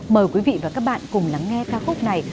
mời quý vị và các bạn cùng lắng nghe ca khúc này